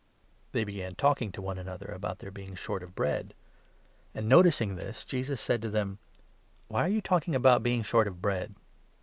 They began talking to one another about their being short of bread. And, noticing this, Jesus said to them : "Why are you talking about your being short of bread?